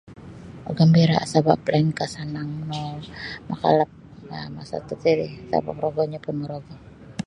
Gambira sabap lainkah sanang no makalap da masa tatiri sabap rogonyo pun morogo.